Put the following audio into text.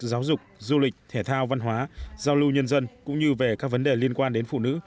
giáo dục du lịch thể thao văn hóa giao lưu nhân dân cũng như về các vấn đề liên quan đến phụ nữ